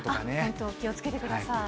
のど、気をつけてください。